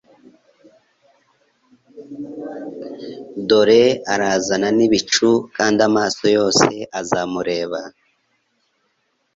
Dore arazana n'ibicu kandi amaso yose azamureba."